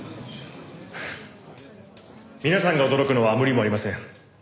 皆さんが驚くのは無理もありません。